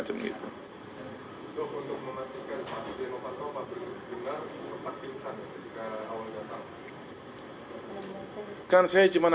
untuk memastikan spasi di rumah sakit manapun benar sempat pingsan ketika awalnya sampai